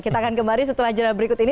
kita akan kembali setelah jeda berikut ini